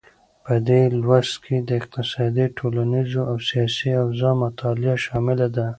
په دې لوست کې د اقتصادي، ټولنیزې او سیاسي اوضاع مطالعه شامله ده.